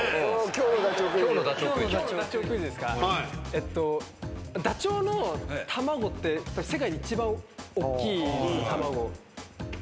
えっとダチョウの卵って世界で一番おっきいんです。